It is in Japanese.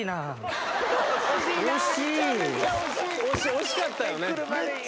惜しかったよね。